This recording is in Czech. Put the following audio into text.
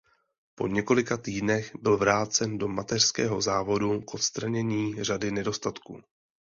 Po několika týdnech byl vrácen do mateřského závodu k odstranění řady nedostatků.